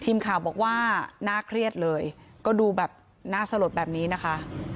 ทีมข่าวบอกว่าน่าเครียดเลยก็ดูแบบน่าสลดแบบนี้นะคะ